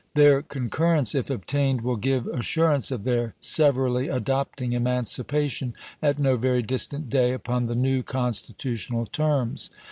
Their concurrence, if obtained, will give assur ance of their severally adopting emancipation at no very distant day upon the new constitutional terms.